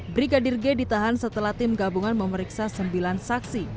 brigadir g ditahan setelah tim gabungan memeriksa sembilan saksi